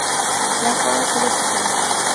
যা করার করেছ তুমি।